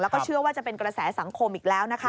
แล้วก็เชื่อว่าจะเป็นกระแสสังคมอีกแล้วนะคะ